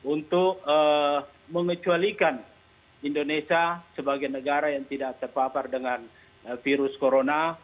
untuk mengecualikan indonesia sebagai negara yang tidak terpapar dengan virus corona